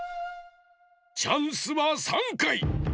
チャンスは３かい。